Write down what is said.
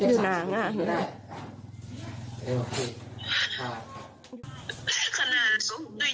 จะสบดีอย่างการฟื้น